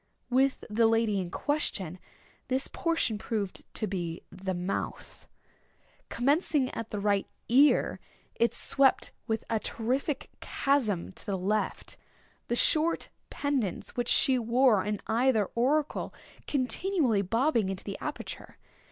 With the lady in question this portion proved to be the mouth. Commencing at the right ear, it swept with a terrific chasm to the left—the short pendants which she wore in either auricle continually bobbing into the aperture.